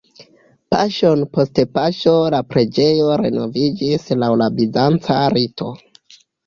Paŝon post paŝo la preĝejo renoviĝis laŭ la bizanca rito.